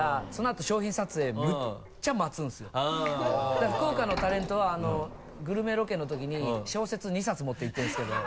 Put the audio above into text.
だから福岡のタレントはグルメロケのときに小説２冊持って行ってるんですけど。